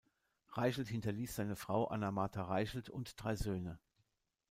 Reichelt hinterließ seine Frau Anna Martha Reichelt und drei Söhne.